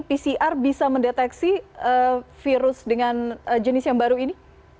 pcr bisa mendeteksi virus dengan jenis yang baru ini